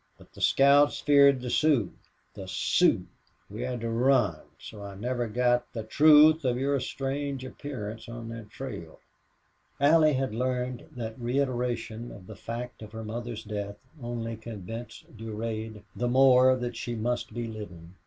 But the scouts feared the Sioux. The Sioux! We had to run. And so I never got the truth of your strange appearance on that trail." Allie had learned that reiteration of the fact of her mother's death only convinced Durade the more that she must be living.